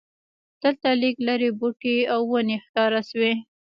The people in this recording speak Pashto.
دلته لږ لرې بوټي او ونې ښکاره شوې.